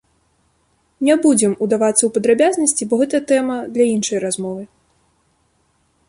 Не будзем удавацца ў падрабязнасці, бо гэта тэма для іншай размовы.